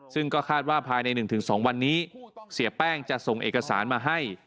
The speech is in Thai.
ซึ่งก็คาดว่าภายใน๑๒วันนี้เสียแป้งจะส่งเอกสารมาให้